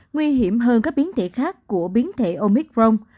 nguy hiểm hơn các biến thể khác của biến thể omicron